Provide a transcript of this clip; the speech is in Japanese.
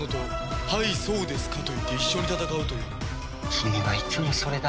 君はいつもそれだ。